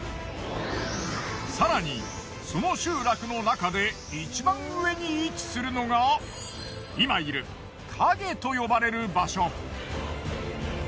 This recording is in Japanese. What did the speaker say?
更にその集落の中でいちばん上に位置するのが今いる蔭と呼ばれる場所。